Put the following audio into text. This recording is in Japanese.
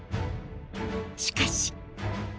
しかし。